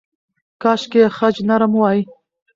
کاشکې خج نرم وای.